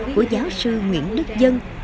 của giáo sư nguyễn đức dân